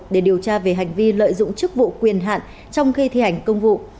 để điều tra về hành vi lợi dụng chức vụ quyền hạn trong khi thi hành công vụ